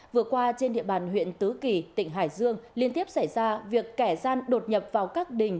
vừa qua trên địa bàn huyện tứ kỳ tỉnh hải dương liên tiếp xảy ra việc kẻ gian đột nhập vào các đình